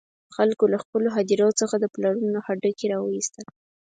خلکو له خپلو هدیرو څخه د پلرونو هډوکي را وویستل.